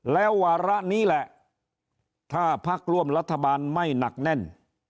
แล้ววาระนี้แหละถ้าพักร่วมรัฐบาลไม่หนักแน่น